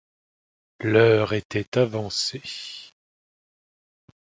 L’heure était avancée.